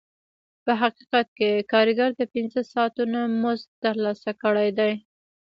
په حقیقت کې کارګر د پنځه ساعتونو مزد ترلاسه کړی دی